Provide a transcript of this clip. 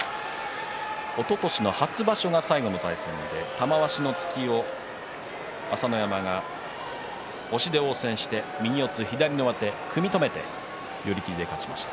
おととしの初場所が最後の対戦で玉鷲の突きを朝乃山が押しで応戦して、右四つ左の上手を組み止めて寄り切りで勝ちました。